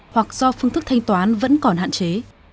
hoặc do phương thức thanh toán vẫn còn hạn chế